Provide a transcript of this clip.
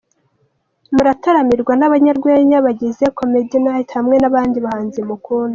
Murataramirwa n’abanyarwenya bagize Comedy Night hamwe n’abandi bahanzi mukunda.